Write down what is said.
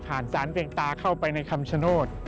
สารเพียงตาเข้าไปในคำชโนธ